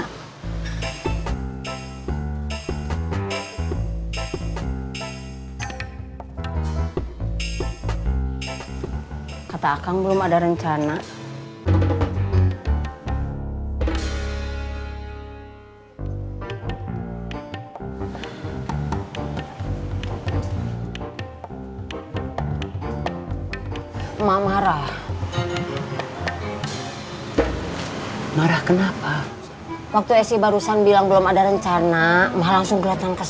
pada saat ini kita akan mencari pamer baju yang lebih baik dari pamer pakaian yang diperlukan di jakarta